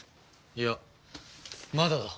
いやまだだ。